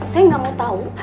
saya gak mau tau